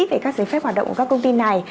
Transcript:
về các giấy phép hoạt động của các công ty này